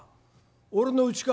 「俺のうちか。